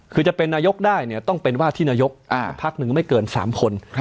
คือจะเป็นนายกได้เนี่ยต้องเป็นว่าที่นายกพักหนึ่งไม่เกิน๓คน